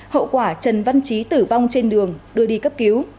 hậu quả trần văn trí tử vong trên đường đưa đi cấp cứu